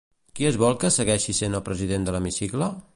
Qui es vol que segueixi sent el president de l'hemicicle?